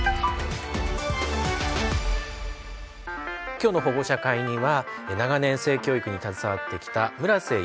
今日の「保護者会」には長年性教育に携わってきた村瀬幸浩さんをお招きしました。